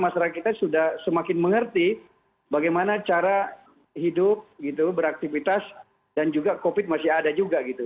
masyarakat kita sudah semakin mengerti bagaimana cara hidup gitu beraktivitas dan juga covid masih ada juga gitu